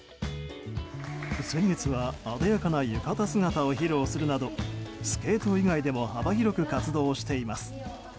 先月はあでやかな浴衣姿を披露するなどスケート以外でも幅広く活動しています。